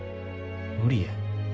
無理や。